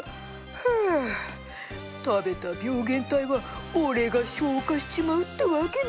ふ食べた病原体は俺が消化しちまうってわけだ。